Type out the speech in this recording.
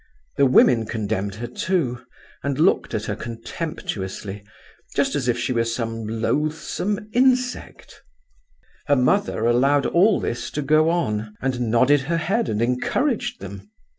The women condemned her too, and looked at her contemptuously, just as though she were some loathsome insect. "Her mother allowed all this to go on, and nodded her head and encouraged them.